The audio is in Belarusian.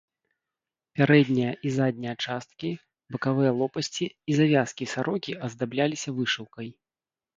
Пярэдняя і задняя часткі, бакавыя лопасці і завязкі сарокі аздабляліся вышыўкай.